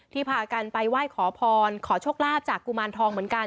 พากันไปไหว้ขอพรขอโชคลาภจากกุมารทองเหมือนกัน